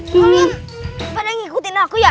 soalnya pada ngikutin aku ya